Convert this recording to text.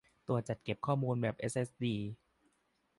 ตัวจัดเก็บข้อมูลแบบเอสเอสดี